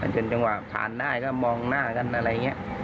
จนจังหวะผ่านได้ก็มองหน้ากันอะไรอย่างนี้